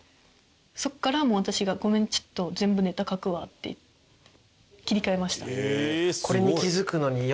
そこからもう私が「ごめんちょっと全部ネタ書くわ」って切り替えました。